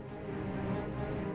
aku sudah berpikir